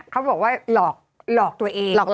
เขาบอกว่าหลอกตัวเอง